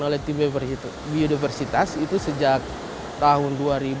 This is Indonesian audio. itu dilakukan oleh tim biodiversitas itu sejak tahun dua ribu dua puluh dua